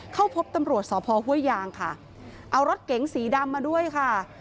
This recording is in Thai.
เข้าพบตำรวจสพห้วยยางค่ะเอารถเก๋งสีดำมาด้วยค่ะ